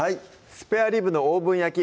「スペアリブのオーブン焼き」